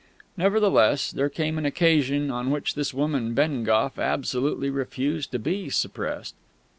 Nevertheless, there came an occasion on which this woman Bengough absolutely refused to be suppressed.